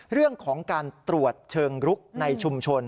เรื่องของการตรวจเชิงรุกในชุมชน